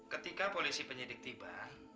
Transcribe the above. ketika polisi penyidik tiba